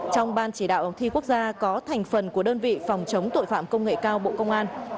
trong ban chỉ đạo thi quốc gia có thành phần của đơn vị phòng chống tội phạm công nghệ cao bộ công an